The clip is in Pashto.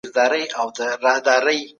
حقیقي عاید تر عادي عاید ډیر د اعتبار وړ دی.